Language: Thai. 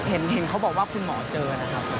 เห็นเขาบอกว่าคุณหมอเจอนะครับ